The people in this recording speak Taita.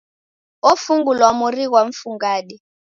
Ofungulwa mori ghwa mfungade.